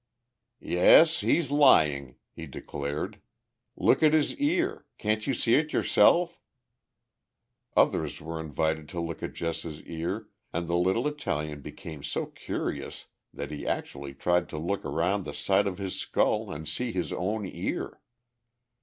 "Yes, he's lying," he declared. "Look at his ear—can't you see it yourself?" Others were invited to look at Jess's ear, and the little Italian became so curious that he actually tried to look around the side of his skull and see his own ear!